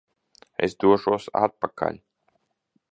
Es došos atpakaļ!